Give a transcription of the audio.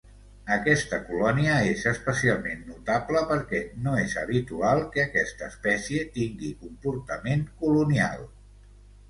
Aquesta colònia és especialment notable perquè no és habitual que aquesta espècie tingui comportament colonial.